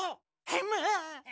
ヘム。